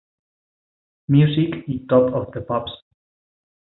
Music" y "Top of the Pops".